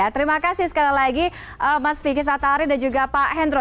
terima kasih sekali lagi mas vicky satari dan juga pak hendro